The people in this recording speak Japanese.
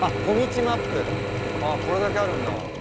こみちマップ」あっこれだけあるんだ。